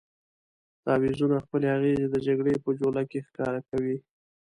تعویضونه خپلې اغېزې د جګړې په جوله کې ښکاره کوي.